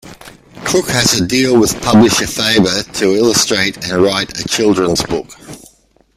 Crook has a deal with publisher Faber to illustrate and write a children's book.